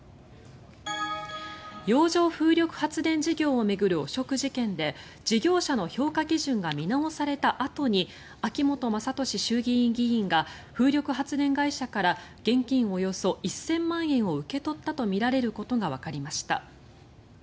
洋上風力発電事業を巡る汚職事件で事業者の評価基準が見直されたあとに秋本真利衆議院議員が風力発電会社から現金およそ１０００万円を受け取ったとみられることがわかりました。